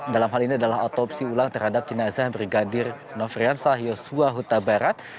dalam hal ini adalah otopsi ulang terhadap jenazah brigadir nofriansah yosua huta barat